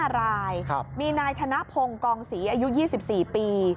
๕รายมีนายธนพงศ์กองศรีอายุ๒๔ปี